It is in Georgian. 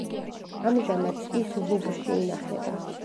ამჟამად ის ლუვრში ინახება.